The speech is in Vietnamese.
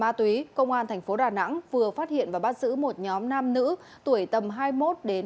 ma túy công an thành phố đà nẵng vừa phát hiện và bắt giữ một nhóm nam nữ tuổi tầm hai mươi một hai mươi hai